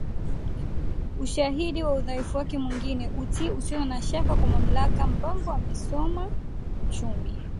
ushahidi wa udhaifu wake mwingine utii usio na shaka kwa mamlakaMpango amesoma uchumi